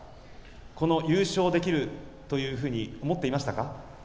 この優勝できると思っていましたか？